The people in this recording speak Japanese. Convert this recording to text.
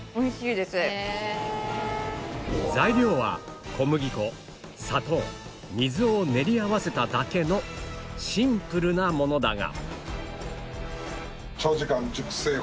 材料は小麦粉砂糖水を練り合わせただけのシンプルなものだが